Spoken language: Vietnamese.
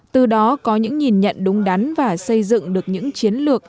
từ đó có những nhìn nhận đúng đắn và xây dựng được những chiến lược